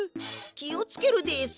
きをつけるです。